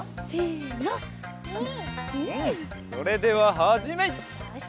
それでははじめい！